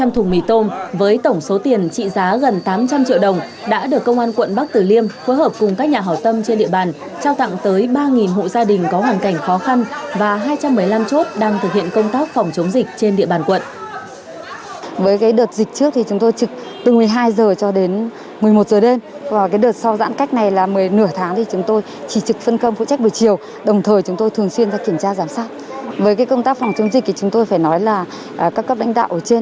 hai trăm linh thùng mì tôm với tổng số tiền trị giá gần tám trăm linh triệu đồng đã được công an quận bắc tử liêm phối hợp cùng các nhà hào tâm trên địa bàn trao tặng tới ba hộ gia đình có hoàn cảnh khó khăn và hai trăm một mươi năm chốt đang thực hiện công tác phòng chống dịch trên địa bàn quận